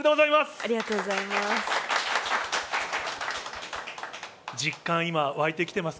ありがとうございます。